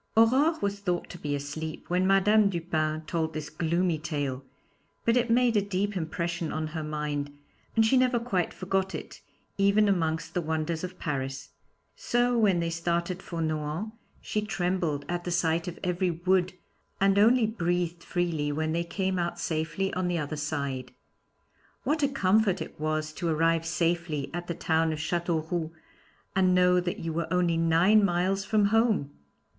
Aurore was thought to be asleep when Madame Dupin told this gloomy tale, but it made a deep impression on her mind, and she never quite forgot it, even amongst the wonders of Paris. So when they started for Nohant she trembled at the sight of every wood, and only breathed freely when they came out safely on the other side. What a comfort it was to arrive safely at the town of Châteauroux, and know that you were only nine miles from home!